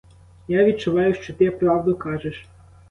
Я відчуваю, що ти правду кажеш.